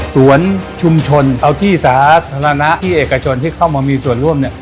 สวนชุมชนเอาที่สาธารณะที่เอกชนที่เข้ามามีส่วนร่วมเนี่ย